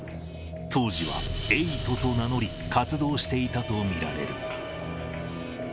当時はエイトと名乗り、活動していたと見られる。